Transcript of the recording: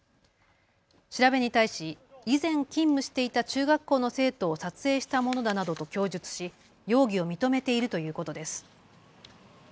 調べに対し以前勤務していた中学校の生徒を撮影したものだなどと供述し容疑を認めているということです。